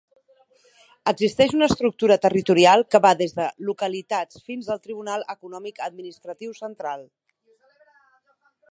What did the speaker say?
Existeix una estructura territorial que va des de les localitats fins al Tribunal Econòmic-Administratiu Central.